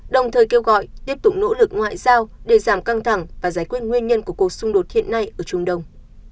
đồng thời kêu gọi tiếp tục nỗ lực ngoại giao để giảm căng thẳng và giải quyết nguyên nhân của cuộc xung đột hiện nay ở trung đông